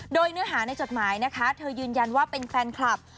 โดยเนื้อหาในจดหมายนะคะเธอยืนยันว่าเป็นแฟนคลับ